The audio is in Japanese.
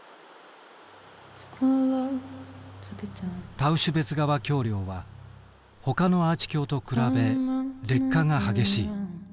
タウシュベツ川橋梁はほかのアーチ橋と比べ劣化が激しい。